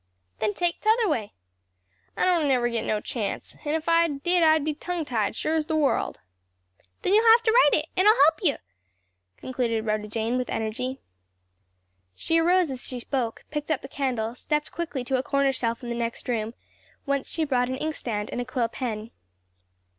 "Then take t'other way." "I don't never git no chance; and if I did I'd be tongue tied, sure as the world." "Then you'll have to write it, and I'll help you!" concluded Rhoda Jane with energy. She arose as she spoke, picked up the candle, stepped quickly to a corner shelf in the next room, whence she brought an inkstand and a quill pen.